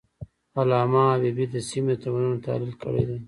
علامه حبيبي د سیمې د تمدنونو تحلیل کړی دی.